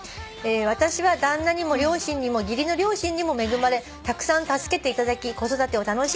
「私は旦那にも両親にも義理の両親にも恵まれたくさん助けていただき子育てを楽しんでおります」